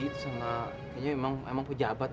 kayaknya emang pejabat